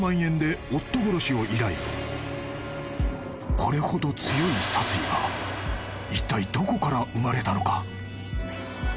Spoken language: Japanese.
［これほど強い殺意はいったいどこから生まれたのか？］